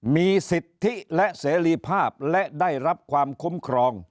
มีสิทธิและเสรีภาพและได้รับความคุ้มครอง